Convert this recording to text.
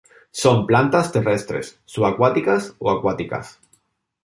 Son plantas terrestres, subacuáticas o acuáticas.